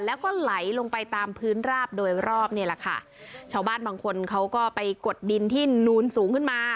แล้วก็ไหลลงไปตามพื้นราบโดยรอบนี่แหละค่ะชาวบ้านบางคนเขาก็ไปกดดินที่นูนสูงขึ้นมา